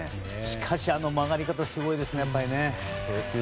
しかしあの曲がり方すごいですね。